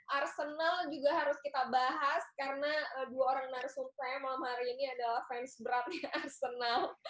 arsenal juga harus kita bahas karena dua orang narasum saya malam hari ini adalah fans berat ya arsenal